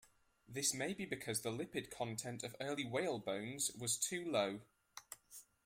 This may be because the lipid content of early whale bones was too low.